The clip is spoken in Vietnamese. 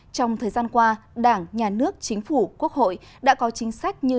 trong thời gian qua đảng nhà nước chính phủ quốc hội đã có chính sách như